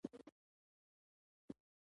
دا انځور له تجربې جوړېږي.